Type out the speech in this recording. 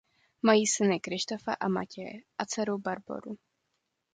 Mají syny Kryštofa a Matěje a dceru Barboru.